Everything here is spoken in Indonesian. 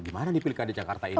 gimana nih pilkada jakarta ini